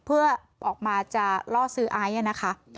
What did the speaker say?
เพื่อออกมาจะล่อซื้อไอซ์นะคะ